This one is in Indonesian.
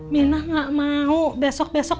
mina gak mau besok besok